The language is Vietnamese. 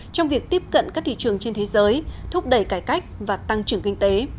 trong việc tiếp cận các thị trường trên thế giới thúc đẩy cải cách và tăng trưởng kinh tế